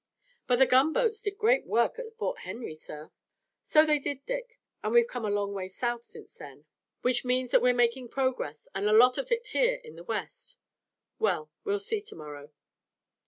"But the gunboats did great work at Fort Henry, sir." "So they did, Dick, and we've come a long way South since then, which means that we're making progress and a lot of it here in the West. Well, we'll see to morrow."